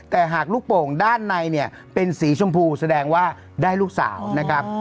แต่หากลูกโป่งด้านในเนี่ยเป็นสีชมพูแสดงว่าได้ลูกสาวนะครับ